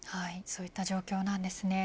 そういった状況なんですね。